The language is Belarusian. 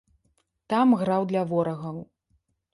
Там граў для ворагаў.